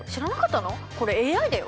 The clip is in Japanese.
これＡＩだよ。